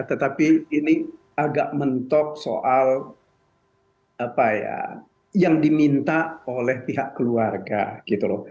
tetapi ini agak mentok soal apa ya yang diminta oleh pihak keluarga gitu loh